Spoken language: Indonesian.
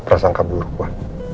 rasangka buruk pa